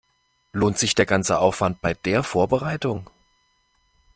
Lohnt sich der ganze Aufwand bei der Vorbereitung?